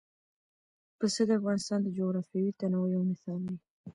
پسه د افغانستان د جغرافیوي تنوع یو مثال دی.